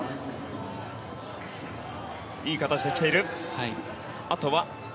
いい形で来ている。